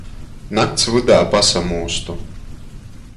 Nakts vydā pasamūstu.